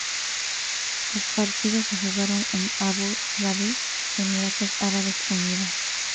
Los partidos se jugaron en Abu Dabi, Emiratos Árabes Unidos.